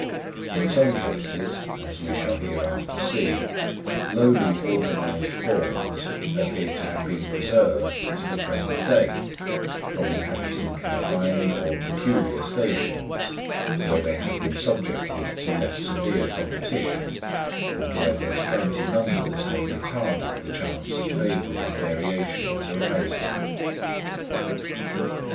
In some cases, as we shall hereafter see, lowly organised forms appear to have been preserved to the present day, from inhabiting confined or peculiar stations, where they have been subjected to less severe competition, and where their scanty numbers have retarded the chance of favourable variations arising.